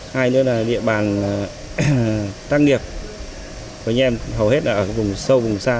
hai nữa là địa bàn tác nghiệp với nhân dân hầu hết là ở vùng sâu vùng xa